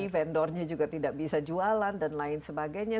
vendornya juga tidak bisa jualan dan lain sebagainya